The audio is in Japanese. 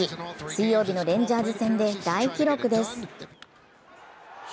水曜日のレンジャーズ戦で大記録です。